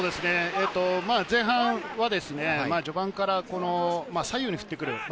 前半は序盤から左右に振ってくる。